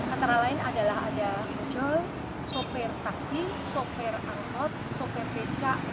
antara lain adalah ada ojol sopir taksi sopir angkot sopir becak